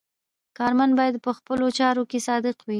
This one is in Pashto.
کارمند باید په خپلو چارو کې صادق وي.